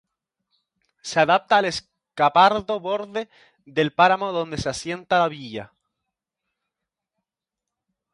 Se adapta al escarpado borde del páramo donde se asienta la villa.